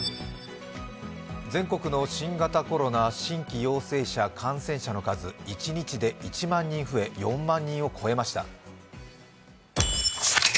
全国の新型コロナ新規陽性者、感染者の数一日で１万人増え、４万人を超えました。